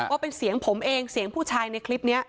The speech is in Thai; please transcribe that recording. ว่าเป็นเสียงผมเองเสียงผู้ชายในคลิปนี้